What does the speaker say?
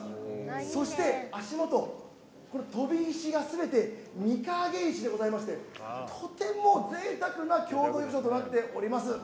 そして足元、飛び石がすべて御影石でございましてとてもぜいたくな共同浴場となっております。